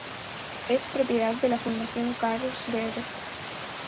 Es propiedad de la Fundación Carlsberg.